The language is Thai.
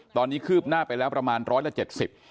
ตอนนี้คืบหน้าไปแล้วประมาณ๑๗๐คน